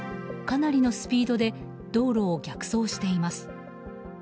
かなりのスピードで道路を逆走しています。